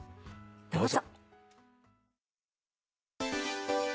どうぞ。